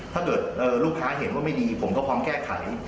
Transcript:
ถ้าเห็นว่าไม่ดีผมก็พร้อมแก้ไข